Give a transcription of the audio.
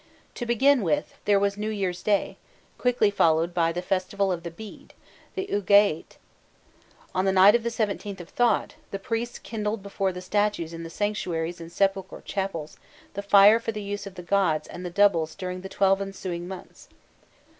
To begin with, there was New Year's Day, quickly followed by the Festival of the Bead, the "Ûagaît." On the night of the 17th of Thot, the priests kindled before the statues in the sanctuaries and sepulchral chapels, the fire for the use of the gods and doubles during the twelve ensuing months.